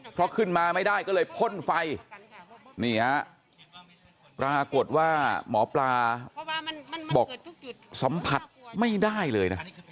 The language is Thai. เพราะขึ้นมาไม่ได้ก็เลยพ่นไฟนี่ฮะปรากฏว่าหมอปลาบอกสัมผัสไม่ได้เลยนะ